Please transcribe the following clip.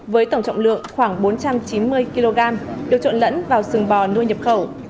với tổng trọng lượng khoảng bốn trăm chín mươi kg được trộn lẫn vào sừng bò nuôi nhập khẩu